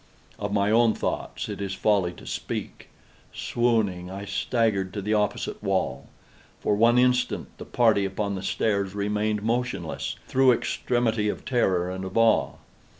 Of my own thoughts it is folly to speak. Swooning, I staggered to the opposite wall. For one instant the party upon the stairs remained motionless, through extremity of terror and of awe.